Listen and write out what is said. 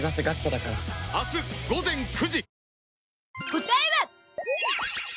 答えは。